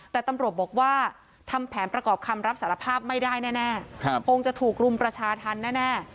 แต่ตำรวจบอกว่าทำแผนประกอบคำรับสารภาพไม่ได้แน่คงจะถูกรุมประชาธรรมแน่